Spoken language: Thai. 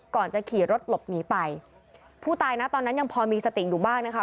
ก่อนจะขี่รถหลบหนีไปผู้ตายนะตอนนั้นยังพอมีสติอยู่บ้างนะคะ